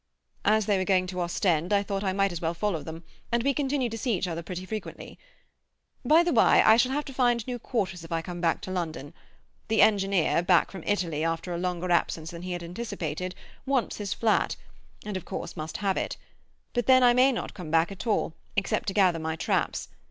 "As they were going to Ostend I thought I might as well follow them, and we continue to see each other pretty frequently. "By the bye, I shall have to find new quarters if I come back to London. The engineer, back from Italy after a longer absence than he anticipated, wants his flat, and of course must have it. But then I may not come back at all, except to gather my traps.